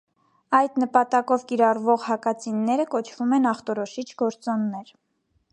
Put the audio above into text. Այդ նպատակով կիրառվող հակածինները կոչվում են ախտորոշիչ գործոններ։